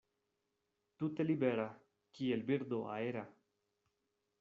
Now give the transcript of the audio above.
Tute libera, kiel birdo aera.